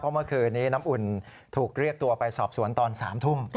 เมื่อคืนนี้น้ำอุ่นถูกเรียกตัวไปสอบสวนตอน๓ทุ่ม